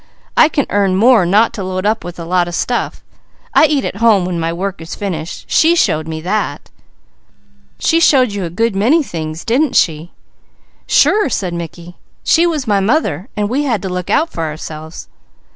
I can earn more not to load up with a lot of stuff. I eat at home when my work is finished. She showed me that." "She showed you a good many things, didn't She?" "Sure!" said Mickey. "She was my mother, so we had to look out for ourselves.